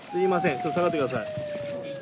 ちょっと下がってください。